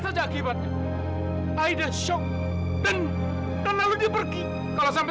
tapi saya pun masih berani